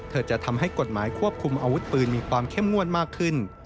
จะทำให้กฎหมายควบคุมอาวุธปืนมีความเข้มงวดมากขึ้น